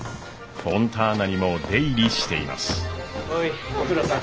フォンターナにも出入りしています。